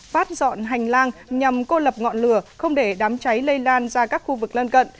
phát dọn hành lang nhằm cô lập ngọn lửa không để đám cháy lây lan ra các khu vực lân cận